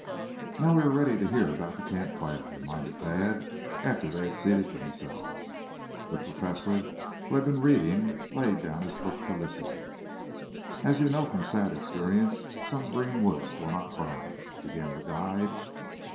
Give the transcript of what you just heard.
"Now we are ready to hear about the campfire," reminded Tad, after they had seated themselves. The Professor, who had been reading, laid down his book to listen. "As you know from sad experience, some green woods will not burn," began the guide.